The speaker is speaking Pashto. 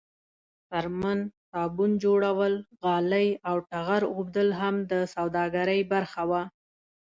څرمن، صابون جوړول، غالۍ او ټغر اوبدل هم د سوداګرۍ برخه وه.